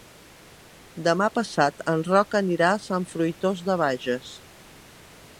Demà passat en Roc anirà a Sant Fruitós de Bages.